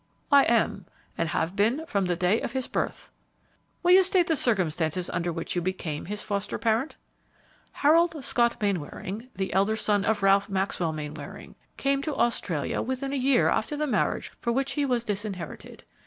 "I am, and have been from the day of his birth." "Will you state the circumstances under which you became his foster parent?" "Harold Scott Mainwaring, the elder son of Ralph Maxwell Mainwaring, came to Australia within a year after the marriage for which he was disinherited.